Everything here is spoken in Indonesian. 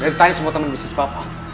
dari tanya semua temen bisnis papa